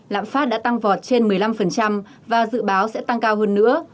lạm phát đã tăng vọt trên một mươi năm và dự báo sẽ tăng cao hơn nữa